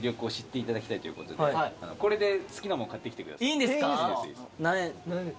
いいんですか？